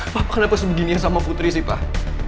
papa kenapa sebeginian sama putri sih pak